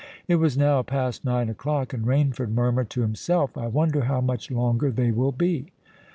It was now past nine o'clock, and Rainford murmured to himself, "I wonder how much longer they will be?"